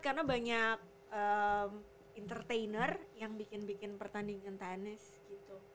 karena banyak entertainer yang bikin bikin pertandingan tenis gitu